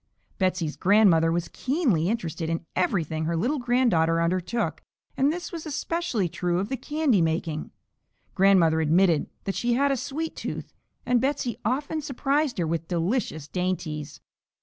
Betsey's grandmother was keenly interested in everything her little granddaughter undertook, and this was especially true of the candy making. Grandmother admitted that she had a "sweet tooth," and Betsey often surprised her with delicious dainties.